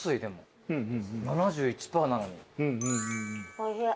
おいしい。